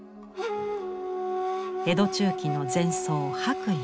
江戸中期の禅僧白隠。